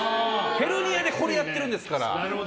ヘルニアでこれやってるんですから。